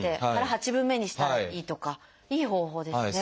八分目にしたらいいとかいい方法ですね。